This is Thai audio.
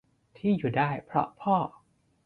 ที่อยู่ได้เพราะพ่อ